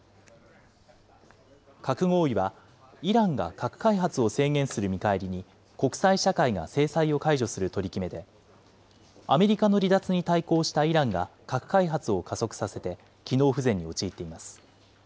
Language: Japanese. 核合意は、イランが核開発を制限する見返りに、国際社会が制裁を解除する取り決めで、アメリカの離脱に対抗したイランが核開発を加速させて、機能不全に陥っています。